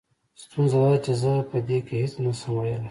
ستونزه دا ده چې زه په دې کې هېڅ نه شم ويلې.